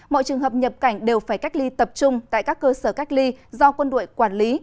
mọi trường hợp nhập cảnh đều phải cách ly tập trung tại các cơ sở cách ly do quân đội quản lý